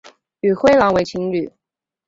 与灰狼为情侣。